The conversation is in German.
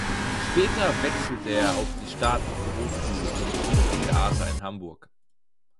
Später wechselte er auf die staatliche Hochschule für Musik und Theater in Hamburg.